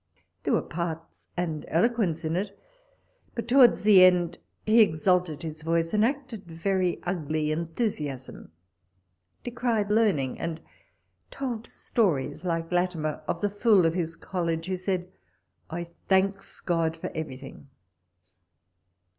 There were parts and eloquence in it ; but towards the end he exalted his voice, and acted very ugly enthu siasm ; decried learning, and told stories, like WALPOLfc's LETTERS. 125 Latimer, of the fool of his college, who said, " I thanks God for everything."